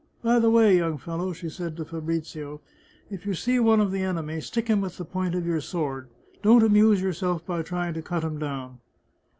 By the way, young fellow," she said to Fabrizio, " if you see one of the enemy, stick him with the point of your sword ; don't amuse yourself by trying to cut him down."